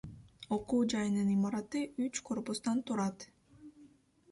Окуу жайынын имараты үч корпустан турат.